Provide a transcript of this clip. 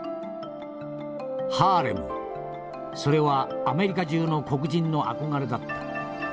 「ハーレムそれはアメリカ中の黒人の憧れだった。